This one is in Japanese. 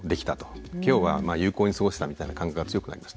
今日は有効に過ごしたみたいな感覚が強くなります。